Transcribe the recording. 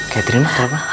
catherine mak kenapa